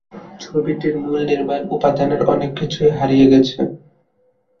ছবিটির মূল নির্মাণ উপাদানের অনেক কিছু হারিয়ে গেছে।